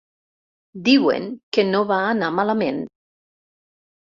Diuen que no va anar malament.